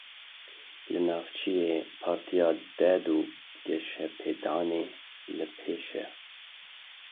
Li navçeyê Partiya Dad û Geşepêdanê li pêş e.